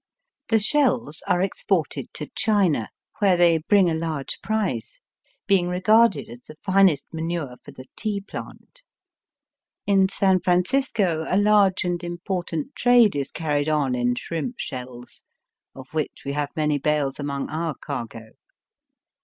The shells are exported to China, where they bring a large price, being regarded as the finest manure for the tea plant. In San Francisco a large and im portant trade is carried on in shrimp shells, of which we have many bales among our cargo.